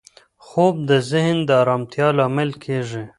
خوب د ذهن د ارامتیا لامل کېږي.